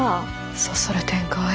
そそる展開。